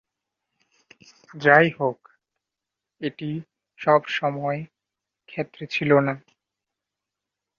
যাইহোক, এটি সবসময় ক্ষেত্রে ছিল না।